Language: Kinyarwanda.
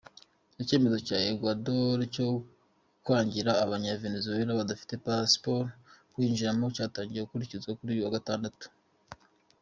Icyemezo cya Ecuador cyo kwangira Abanyavenezuela badafite pasiporo kuyinjiramo, cyatangiye gukurikizwa ku wa gatandatu.